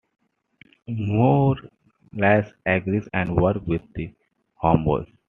Morales agrees and work with the Homeboys.